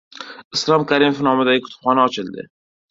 Islom Karimov nomidagi kutubxona ochildi